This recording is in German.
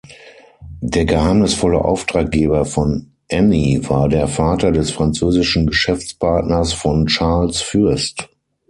Der geheimnisvolle Auftraggeber von Annie war der Vater des französischen Geschäftspartners von Charles Fürst.